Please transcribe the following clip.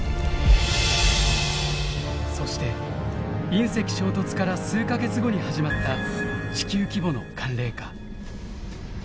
そして隕石衝突から数か月後に始まった地球規模の寒冷化。